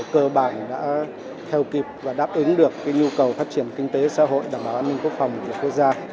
cơ bản đã theo kịp và đáp ứng được nhu cầu phát triển kinh tế xã hội đảm bảo an ninh quốc phòng của quốc gia